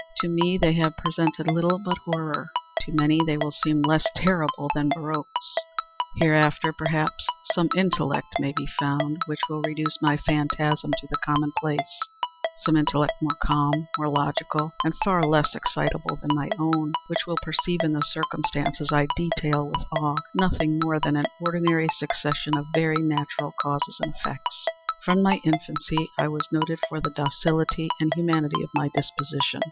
To me, they have presented little but horror—to many they will seem less terrible than barroques. Hereafter, perhaps, some intellect may be found which will reduce my phantasm to the common place—some intellect more calm, more logical, and far less excitable than my own, which will perceive, in the circumstances I detail with awe, nothing more than an ordinary succession of very natural causes and effects. From my infancy I was noted for the docility and humanity of my disposition.